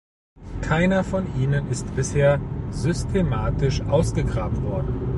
Keiner von ihnen ist bisher systematisch ausgegraben worden.